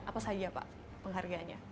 apa saja pak pengharganya